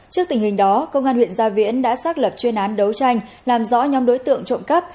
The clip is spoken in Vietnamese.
trước tình hình đó công an huyện gia viễn đã xác lập chuyên án đấu tranh làm rõ nhóm đối tượng trộm cắp